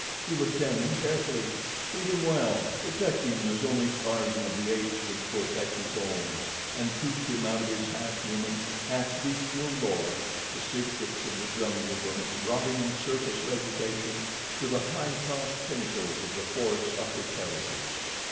He would tend him carefully, feed him well, protect him as only Tarzan of the Apes could protect his own, and teach him out of his half human, half bestial lore the secrets of the jungle from its rotting surface vegetation to the high tossed pinnacles of the forest's upper terraces.